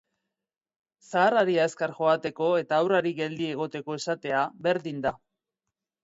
Zaharrari azkar joateko eta haurrari geldi egoteko esatea berdin da.